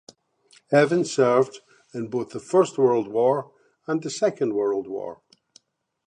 Evans served in both the First World War and the Second World War.